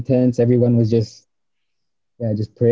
pantai itu sangat keras